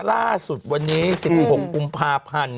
ร่าดสุดวันนี้สิกหกุมภาพันธ์